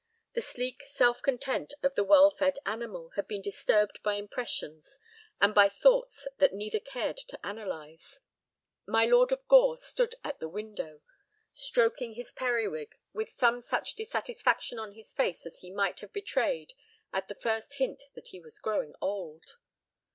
The sleek self content of the well fed animal had been disturbed by impressions and by thoughts that neither cared to analyze. My Lord of Gore stood at the window, stroking his periwig with some such dissatisfaction on his face as he might have betrayed at the first hint that he was growing old.